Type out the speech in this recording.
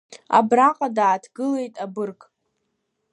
Абраҟа дааҭгылеит абырг.